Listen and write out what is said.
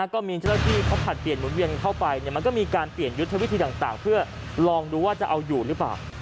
ก็มีเจ้าหน้าที่เขาผลัดเปลี่ยนหมุนเวียนเข้าไปมันก็มีการเปลี่ยนยุทธวิธีต่างเพื่อลองดูว่าจะเอาอยู่หรือเปล่า